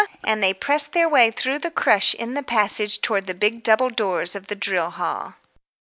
and they pressed their way through the crush in the passage towards the big double doors of the drill hall.